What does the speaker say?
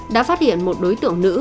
đã phát hiện một đối tượng nữ